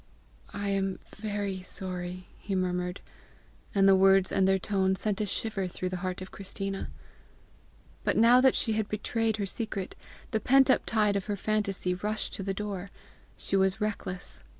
"I am very sorry!" he murmured; and the words and their tone sent a shiver through the heart of Christina. But now that she had betrayed her secret, the pent up tide of her phantasy rushed to the door. She was reckless.